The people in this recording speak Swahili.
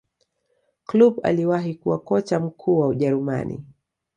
Kloop aliwahi kuwa kocha mkuu wa ujerumani